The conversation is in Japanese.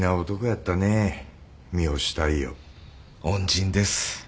恩人です。